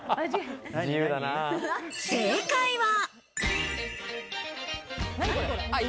正解は。